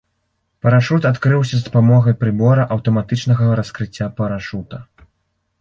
Парашут адкрыўся з дапамогай прыбора аўтаматычнага раскрыцця парашута.